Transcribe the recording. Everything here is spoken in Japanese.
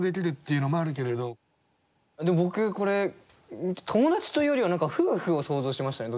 僕これ友達というよりは何か夫婦を想像しましたね